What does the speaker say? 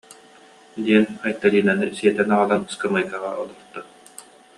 диэн Айталинаны сиэтэн аҕалан ыскамыайкаҕа олорто